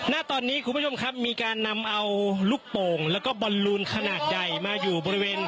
ณตอนนี้คุณผู้ชมครับมีการนำเอาลูกโป่งแล้วก็บอลลูนขนาดใหญ่มาอยู่บริเวณ